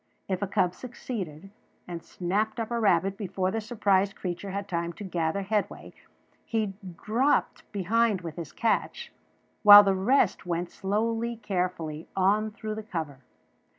If a cub succeeded, and snapped up a rabbit before the surprised creature had time to gather headway, he dropped behind with his catch, while the rest went slowly, carefully, on through the cover.